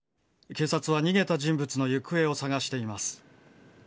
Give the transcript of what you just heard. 警察は逃げた人物の行方を探しています。